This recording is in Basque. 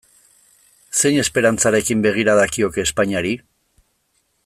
Zein esperantzarekin begira dakioke Espainiari?